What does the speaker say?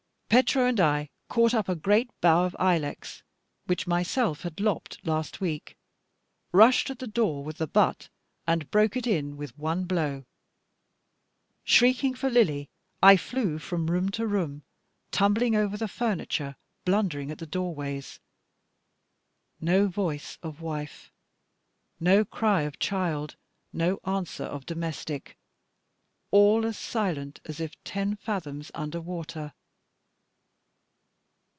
Petro and I caught up a great bough of ilex, which myself had lopped last week, rushed at the door with the butt, and broke it in with one blow. Shrieking for Lily, Lily, I flew from room to room, tumbling over the furniture, blundering at the doorways. No voice of wife, no cry of child, no answer of domestic; all as silent as if ten fathoms under water.